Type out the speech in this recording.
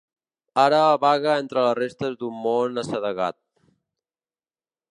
Ara vaga entre les restes d’un món assedegat.